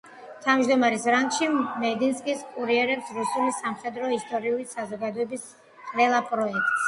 თავმჯდომარის რანგში, მედინსკის კურირებს რუსული სამხედრო-ისტორიული საზოგადოების ყველა პროექტს.